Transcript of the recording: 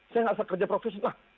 saya nggak sekerja profesional